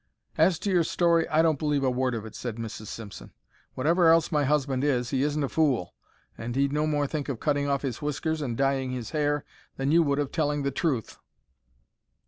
"As to your story, I don't believe a word of it," said Mrs. Simpson. "Whatever else my husband is, he isn't a fool, and he'd no more think of cutting off his whiskers and dyeing his hair than you would of telling the truth."